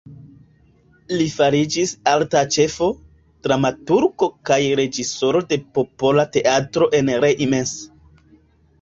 Li fariĝis arta ĉefo, dramaturgo kaj reĝisoro de Popola teatro en Reims.